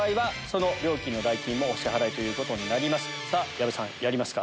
矢部さんやりますか？